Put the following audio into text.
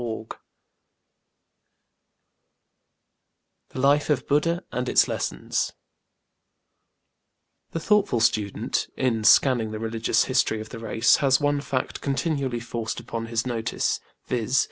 1919_ The Life of Buddha and Its Lessons The thoughtful student, in scanning the religious history of the race, has one fact continually forced upon his notice, viz.